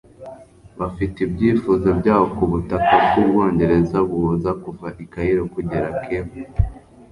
bafite ibyifuzo byabo ku butaka bw'Ubwongereza buhuza kuva i Cairo kugera Cape